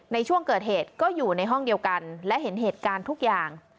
ในช่วงเกิดเหตุก็อยู่ในห้องเดียวกันและเห็นเหตุการณ์ทุกอย่าง